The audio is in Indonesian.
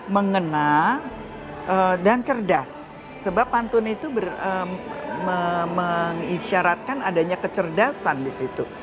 mengenal dan cerdas sebab pantun itu mengisyaratkan adanya kecerdasan di situ